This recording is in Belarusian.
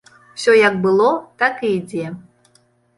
Усё як было, так і ідзе.